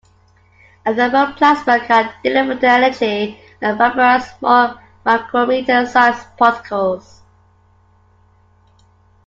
A thermal plasma can deliver the energy to vaporize small micrometer-size particles.